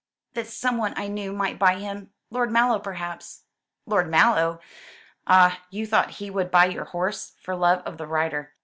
"That some one I knew might buy him. Lord Mallow perhaps." "Lord Mallow! Ah, you thought he would buy your horse, for love of the rider.